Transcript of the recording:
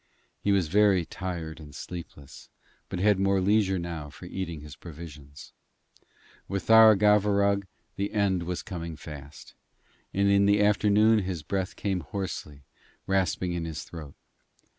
He was very tired and sleepless, but had more leisure now for eating his provisions. With Tharagavverug the end was coming fast, and in the afternoon his breath came hoarsely, rasping in his throat.